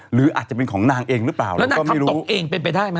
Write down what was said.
หรืออาจจะเป็นของนางเองหรือเปล่าแล้วนางทำตกเองเป็นไปได้ไหม